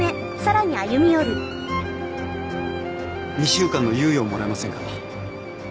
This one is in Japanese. ２週間の猶予をもらえませんか。